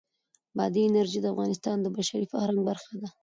بادي انرژي د افغانستان د بشري فرهنګ برخه ده.